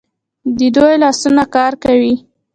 د دوی لاسونه کار کوي.